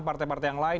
partai partai yang lain